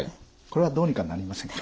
これはどうにかなりませんか？